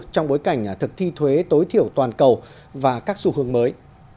trong bối cảnh thực thi thuế tối thiểu toàn cầu và các xu hướng mới